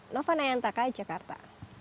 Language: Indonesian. nova nayantaka jakarta